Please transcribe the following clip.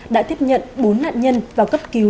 đã tiếp nhận bốn nạn nhân vào cấp cứu